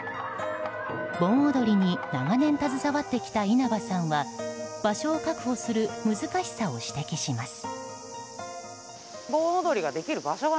盆踊りに長年携わってきた稲葉さんは場所を確保する難しさを指摘します。